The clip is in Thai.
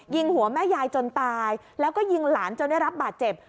ยิงหัวแม่ยายจนตายแล้วก็ยิงหลานจนได้รับบาดเจ็บ